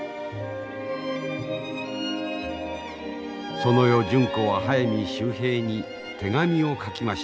その夜純子は速水秀平に手紙を書きました。